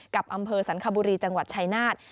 กับอำเภอสันคบุรีจังหวัดชายนาฏ